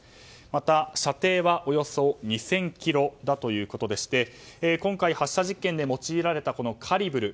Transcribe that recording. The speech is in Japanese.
また射程はおよそ２０００ｋｍだということでして今回、発射実験で用いられたカリブル。